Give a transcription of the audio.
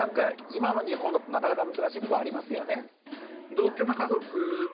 今の日本だとなかなか難しい部分ありますよね。